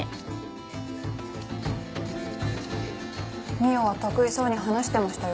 未央は得意そうに話してましたよ。